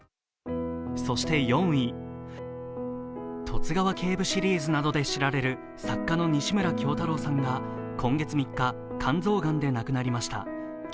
そして４位、「十津川警部」シリーズなどで知られる作家の西村京太郎さんが今月３日、肝臓がんで亡くなりました。